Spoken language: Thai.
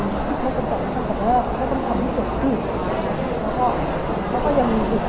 เดี๋ยวเขาจะพูดเป็นเรื่องที่คุยกันอย่างที่เรื่องสุดทุกวัน